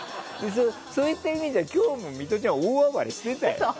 そういった意味じゃ今日もミトちゃん大暴れしてたよ。